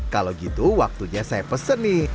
kalau gitu waktunya saya pesen nih